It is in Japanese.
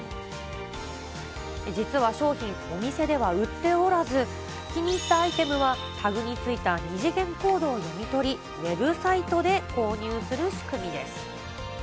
実は商品、お店では売っておらず、気に入ったアイテムは、タグについた二次元コードを読み取り、ウェブサイトで購入する仕組みです。